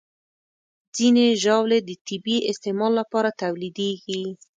ځینې ژاولې د طبي استعمال لپاره تولیدېږي.